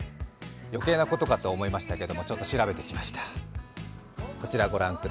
余計なことかと思いましたけど、ちょっと調べてきました。